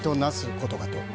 ことかと。